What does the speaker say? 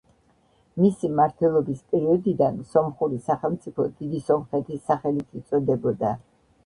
მისი მმართველობის პერიოდიდან სომხური სახელმწიფო დიდი სომხეთის სახელით იწოდებოდა.